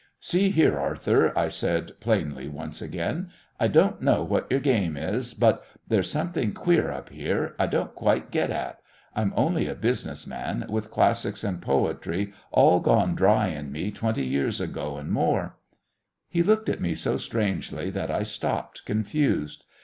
"See here, Arthur," I said plainly once again, "I don't know what your game is, but there's something queer up here I don't quite get at. I'm only a business man, with classics and poetry all gone dry in me twenty years ago and more " He looked at me so strangely that I stopped, confused.